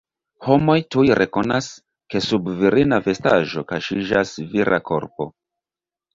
Homoj tuj rekonas, ke sub virina vestaĵo kaŝiĝas vira korpo.